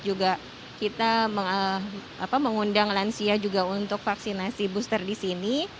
juga kita mengundang lansia juga untuk vaksinasi booster di sini